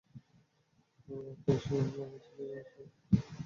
আগারগাঁও থেকে শিশুমেলা যাওয়ার সড়ক ধরে একটু এগোলেই ডান দিকে শেরেবাংলা নগর থানা।